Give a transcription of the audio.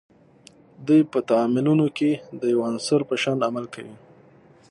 دوی په تعاملونو کې د یوه عنصر په شان عمل کوي.